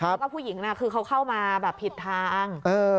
แล้วก็ผู้หญิงน่ะคือเขาเข้ามาแบบผิดทาง